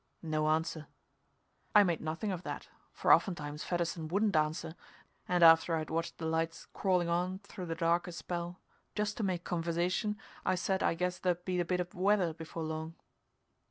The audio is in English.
No answer. I made nothing of that, for oftentimes Fedderson wouldn't answer, and after I'd watched the lights crawling on through the dark a spell, just to make conversation I said I guessed there'd be a bit of weather before long.